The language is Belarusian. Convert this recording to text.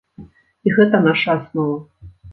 І гэта наша аснова.